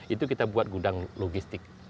itu kita buat gudang logistik